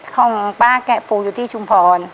ของป้าแกะปลูกอยู่ที่ชุมพร